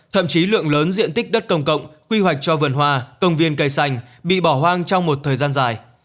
thậm chí lượng lớn diện tích đất công cộng quy hoạch cho vườn hoa công viên cây xanh bị bỏ hoang trong một thời gian dài